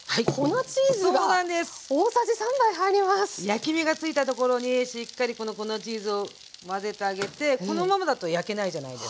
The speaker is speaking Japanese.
焼き目がついた所にしっかりこの粉チーズを混ぜてあげてこのままだと焼けないじゃないですか。